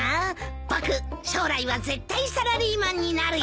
僕将来は絶対サラリーマンになるよ。